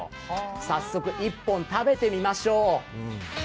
早速１本食べてみましょう。